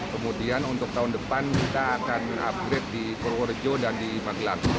kemudian untuk tahun depan kita akan upgrade di purworejo dan di magelang